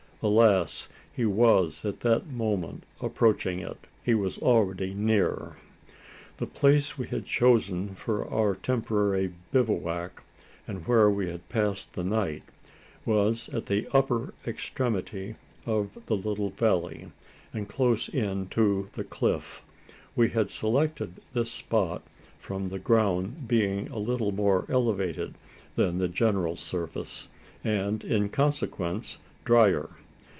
Alas! he was at that moment approaching it he was already near! The place we had chosen for our temporary bivouac and where we had passed the night was at the upper extremity of the little valley, and close in to the cliff. We had selected this spot, from the ground being a little more elevated than the general surface, and in consequence drier.